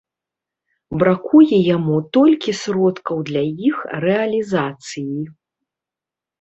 Бракуе яму толькі сродкаў для іх рэалізацыі.